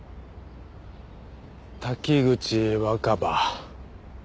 滝口若葉。